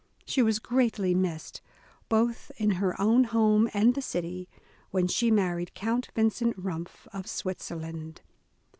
She was greatly missed, both in her own home and the city, when she married Count Vincent Rumpff, of Switzerland.